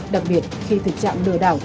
đặc biệt khi thực trạng lừa đảo